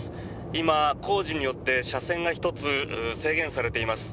今、工事によって車線が１つ制限されています。